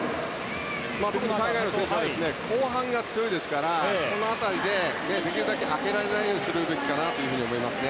海外の選手は後半が強いですからこの辺りでできるだけ開けられないようにするべきかなと思いますね。